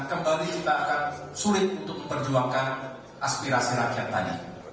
kembali kita akan sulit untuk memperjuangkan aspirasi rakyat tadi